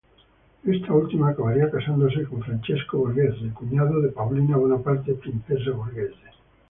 Ésta última acabaría casándose con Francesco Borghese, cuñado de Paulina Bonaparte, princesa Borghese.